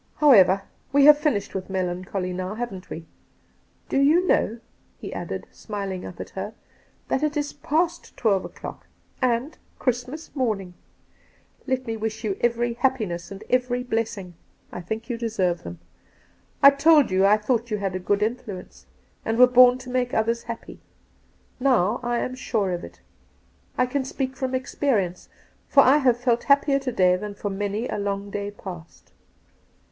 IJowever, we havp finished with melancholy now, haven't we 1 Do you know,' he added, smiling up at her, ' that it is past twelve o'clock, and Christ mas morning ? Let me wish you , every happiness and every blessing. I think you deserve them. 1 told you I thought you had a good influence, and were born to make others happy. Now I am sure of it. I can speak from experience, for I have felt happier to day than for many a long day past.'